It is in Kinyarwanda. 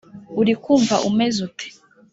urikumva umeze ute?”